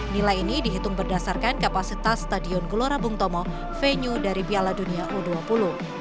nilai ini dihitung berdasarkan kapasitas stadion gelora bung tomo venue dari piala dunia u dua puluh